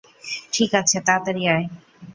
ঠিক আছে, তাড়াতাড়ি আয়।